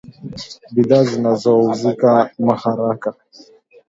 bidhaa zinazouzika haraka